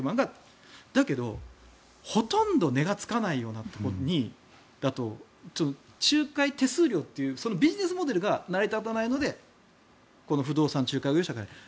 だけど、ほとんど値がつかないようなところだと仲介手数料というビジネスモデルが成り立たないのでこの不動産仲介業者がいらない。